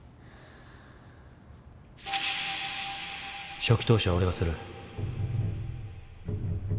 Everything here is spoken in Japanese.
初期投資は俺がする。